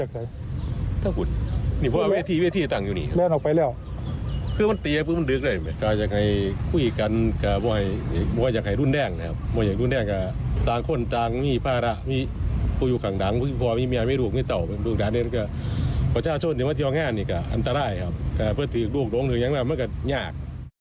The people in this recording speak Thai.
เพื่อติดลูกลงถึงยังไม่กันยาก